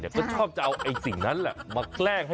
เสียงเบาเสียงดัง